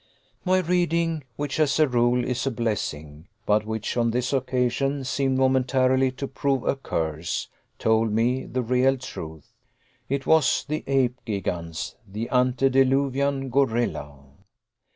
My reading, which as a rule is a blessing, but which on this occasion, seemed momentarily to prove a curse, told me the real truth. It was the Ape Gigans, the antediluvian gorilla.